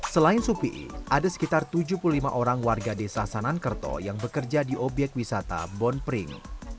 selain supi ada sekitar tujuh puluh lima orang warga desa sanankerto yang bekerja di obyek wisata bon pring